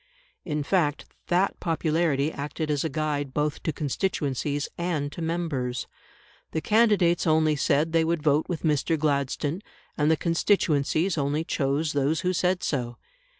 In fact, that popularity acted as a guide both to constituencies and to members. The candidates only said they would vote with Mr. Gladstone, and the constituencies only chose those who said so.